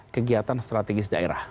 kegiatan strategis daerah